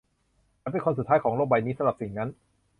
ฉันเป็นคนสุดท้ายของโลกใบนี้สำหรับสิ่งนั้น